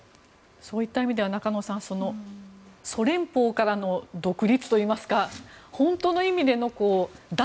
そういった意味では中野さんソ連邦からの独立といいますか本当の意味での脱